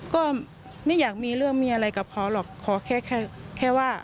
ก็ไม่อยากมีเรื่องมีอะไรกับเขาหรอกขอแค่แค่ว่า